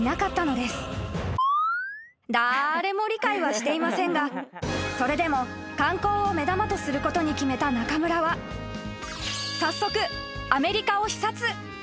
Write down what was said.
［誰も理解はしていませんがそれでも観光を目玉とすることに決めた中村は早速アメリカを視察］